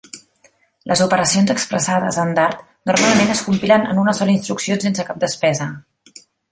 Les operacions expressades en Dart normalment es compilen en una sola instrucció sense cap despesa.